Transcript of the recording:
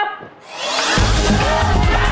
สวัสดีครับสวัสดีครับ